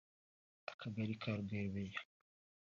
Akagari ka Rwebeya